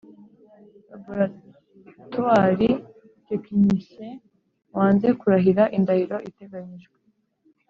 Laboratory Technician wanze kurahira indahiro iteganyijwe